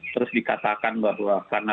terus dikatakan bahwa karena